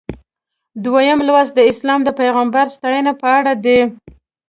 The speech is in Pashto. دویم لوست د اسلام د پیغمبر ستاینه په اړه دی.